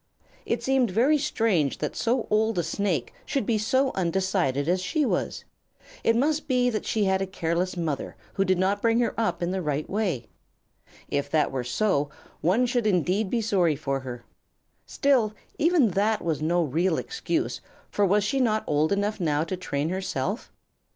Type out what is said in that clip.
It seemed very strange that so old a Snake should be so undecided as she was. It must be that she had a careless mother who did not bring her up in the right way. If that were so, one should indeed be sorry for her. Still even that would be no real excuse, for was she not old enough now to train herself?